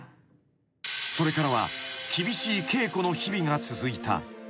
［それからは厳しい稽古の日々が続いた］